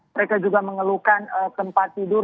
mereka juga mengeluhkan tempat tidur